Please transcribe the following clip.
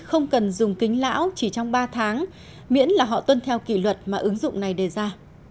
không cần dùng kính lão chỉ trong ba tháng miễn là họ tuân theo kỷ luật mà ứng dụng này đề ra